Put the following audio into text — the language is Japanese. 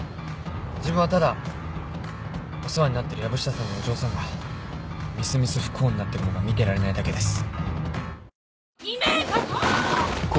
自分はただお世話になってる藪下さんのお嬢さんがみすみす不幸になってるのが見てられないだけです。